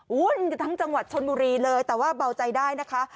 มันจะทั้งจังหวัดชนบุรีเลยแต่ว่าเบาใจได้นะคะ